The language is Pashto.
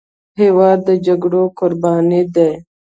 هېواد د جګړې قرباني دی.